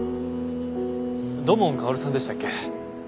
土門薫さんでしたっけ？